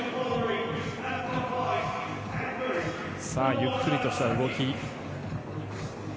ゆっくりとした動き。